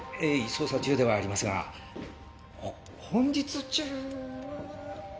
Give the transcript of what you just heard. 捜査中ではありますがほ本日中は。